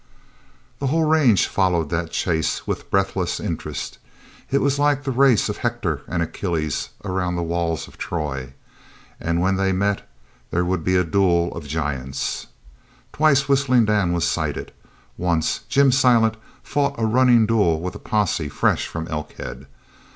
The whole range followed that chase with breathless interest. It was like the race of Hector and Achilles around the walls of Troy. And when they met there would be a duel of giants. Twice Whistling Dan was sighted. Once Jim Silent fought a running duel with a posse fresh from Elkhead.